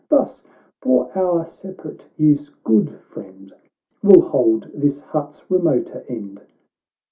Thus, for our separate use, good friend, We'll hold this hut's remoter end."